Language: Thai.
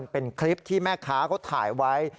เป็นคลิปที่แม่ค้าเขาถ่ายไว้